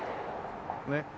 ねっ。